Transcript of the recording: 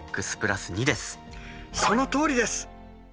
そのとおりです！